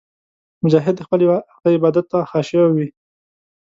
مجاهد د خپل خدای عبادت ته خاشع وي.